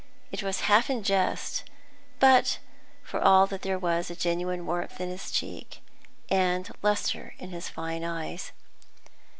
It was half in jest, but for all that there was a genuine warmth on his cheek, and lustre in his fine eyes.